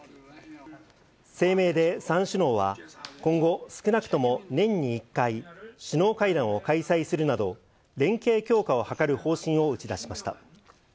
声明で３首脳は、今後、少なくとも年に１回、首脳会談を開催するなど、連携強化を図る方針を打ち出しました。